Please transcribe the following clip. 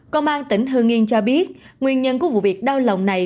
công an tỉnh hương yên cho biết nguyên nhân của vụ việc đau lòng này